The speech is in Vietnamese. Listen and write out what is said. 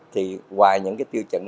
thì ngoài những cái tiêu chuẩn